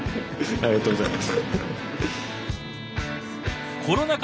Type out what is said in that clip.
ありがとうございます。